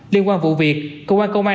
liên quan vụ việc công an công an